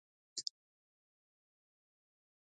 بادام د افغانانو لپاره په معنوي لحاظ ډېر ارزښت لري.